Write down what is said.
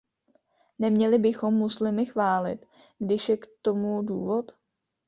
Neměli bychom muslimy chválit, když je k tomu důvod?